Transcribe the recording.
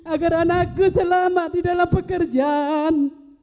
agar anakku selamat di dalam pekerjaan